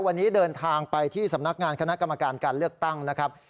วันนี้เดินทางไปที่สำนักงานคณะกรรมการการเลือกตั้งนะครับ